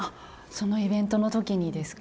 そのイベントの時にですか？